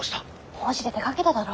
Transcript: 法事で出かけただろ？